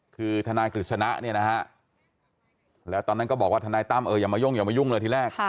คือทนายกฤษณะเนี่ยนะฮะแล้วตอนนั้นก็บอกว่าทนายตั้มเอออย่ามายุ่งอย่ามายุ่งเลยทีแรก